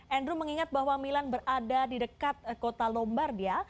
andrew mengingat bahwa milan berada di dekat kota lombardia